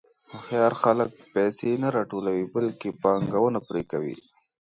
هوښیار خلک پیسې نه راټولوي، بلکې پانګونه پرې کوي.